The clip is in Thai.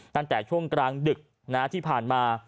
ตั้งแต่ช่วงกลางดึกที่ผ่านมา